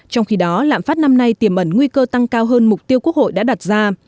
trong khi đó lạm phát năm nay tiềm ẩn nguy cơ tăng cao hơn mục tiêu quốc hội đã đặt ra